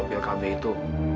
kalau soal pil kb itu